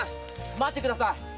待ってください！